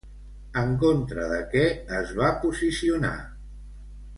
En contra de què es va posicionar?